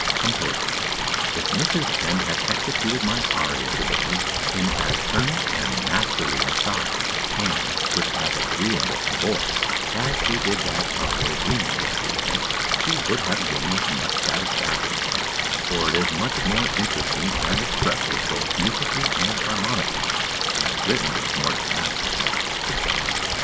COMPOSER. If Mrs. N. had executed my aria to day in as earnest and masterly a style, and with as agreeable a voice, as she did that of Rossini yesterday, she would have given as much satisfaction; for it is much more interesting and expressive both musically and harmonically, and written with more dramatic effect.